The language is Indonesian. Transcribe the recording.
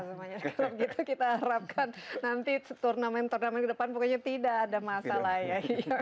kalau begitu kita harapkan nanti turnamen turnamen ke depan pokoknya tidak ada masalah ya